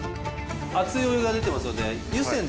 熱いお湯が出てますので。